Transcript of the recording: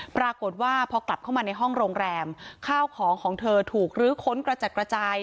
ปรากฏว่าพอกลับเข้ามาในห้องโรงแรมข้าวของของเธอถูกลื้อค้นกระจัดกระจาย